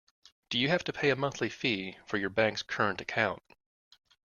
Do you have to pay a monthly fee for your bank’s current account?